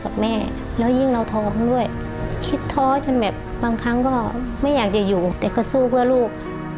บางครั้งก็ไม่อยากจะอยู่แต่ก็สู้เพื่อลูก